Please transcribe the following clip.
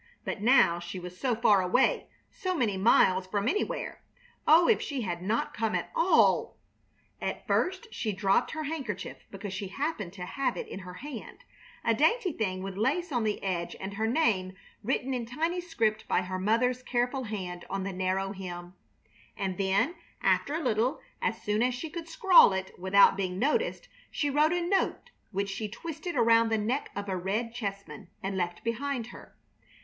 But now she was so far away, so many miles from anywhere! Oh, if she had not come at all! And first she dropped her handkerchief, because she happened to have it in her hand a dainty thing with lace on the edge and her name written in tiny script by her mother's careful hand on the narrow hem. And then after a little, as soon as she could scrawl it without being noticed, she wrote a note which she twisted around the neck of a red chessman, and left behind her.